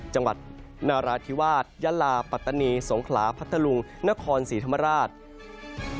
จังหวัดนาราธิวาสยะลาปัตตานีสงขลาพัทธลุงนครศรีธรรมราช